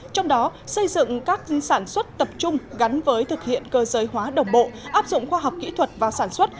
trong đó xây dựng các sản xuất tập trung gắn với thực hiện cơ giới hóa đồng bộ áp dụng khoa học kỹ thuật vào sản xuất